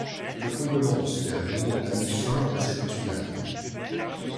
Le comblement de ce dernier a mis fin à cette insularité.